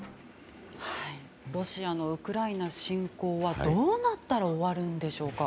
ロシアのウクライナ侵攻はどうなったら終わるんでしょうか。